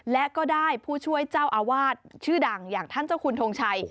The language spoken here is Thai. และก็ได้ผู้ช่วยเจ้าอาวาสชื่อดังอย่างท่านเจ้าคุณทงชัย